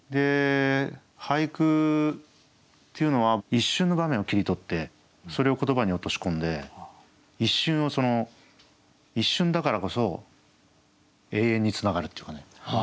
俳句っていうのは一瞬の場面を切り取ってそれを言葉に落とし込んで一瞬を一瞬だからこそ永遠につながるっていうかね。